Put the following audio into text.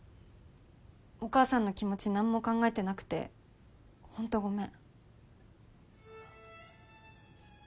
お母さんの気持ち何も考えてなくてホントごめん。